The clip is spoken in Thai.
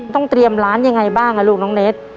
ต้องเตรียมร้านยังไงบ้างลูกน้องเน็ต